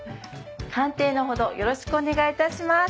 鑑定のほどよろしくお願いいたします。